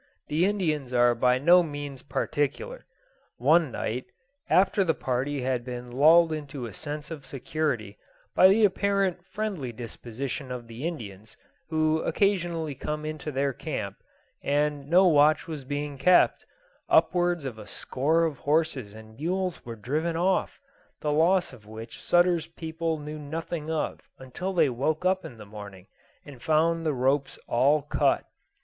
The Indians are by no means particular. One night, after the party had been lulled into a sense of security by the apparent friendly disposition of the Indians, who occasionally came into their camp, and no watch was being kept, upwards of a score of horses and mules were driven off; the loss of which Sutter's people knew nothing of until they woke up in the morning, and found the ropes all cut.